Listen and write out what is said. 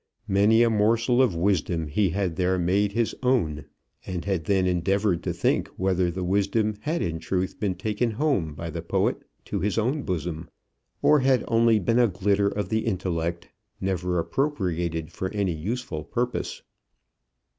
Many a morsel of wisdom he had here made his own, and had then endeavoured to think whether the wisdom had in truth been taken home by the poet to his own bosom, or had only been a glitter of the intellect, never appropriated for any useful purpose.